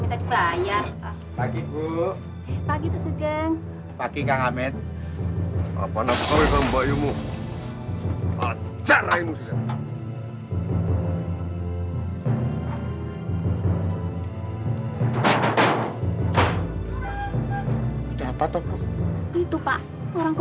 minta dibayar pagi bu pagi tuh sedang pagi kang ahmed apa nampak kamu sama bayumu ajaranmu